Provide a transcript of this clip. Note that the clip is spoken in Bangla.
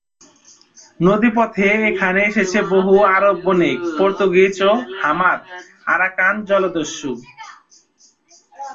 নদীপথে এখানে এসেছে বহু আরব বণিক, পর্তুগিজ ও হার্মাদ-আরাকান জলদস্যু।